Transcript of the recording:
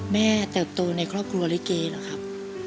แม่แต่โตในครอบครัวเล้วเก๋หรอครับ